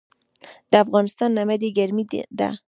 د افغانستان نمدې ګرمې دي